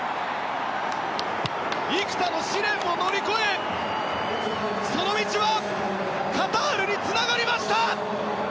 幾多の試練を乗り越え、その道はカタールにつながりました！